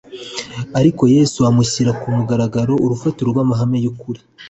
ariko Yesu amushyirira ku mugaragaro urufatiro rw’amahame y’ukuri